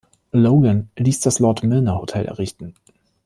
Logan ließ das "Lord Milner Hotel" errichten.